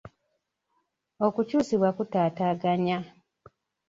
Okukyusibwa kutataaganya.